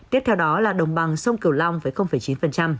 tiếp theo đó là đồng bằng sông kiều long với chín